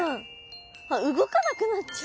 あっ動かなくなっちゃう！